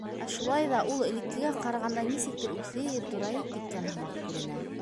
Ә шулай ҙа ул элеккегә ҡарағанда нисектер үҫеп, турайып киткән һымаҡ күренә.